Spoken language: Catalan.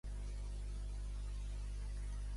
També guanyà tres Copes Amèrica.